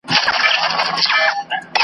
په خوږو خوبونو مست لكه مينده وو .